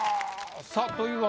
さあというわけで。